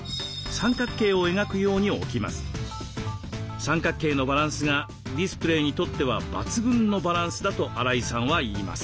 三角形のバランスがディスプレーにとっては抜群のバランスだと荒井さんはいいます。